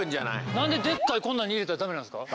何ででっかいこんなのに入れたらダメなんですか？